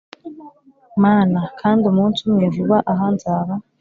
mana, kandi umunsi umwe vuba aha nzaba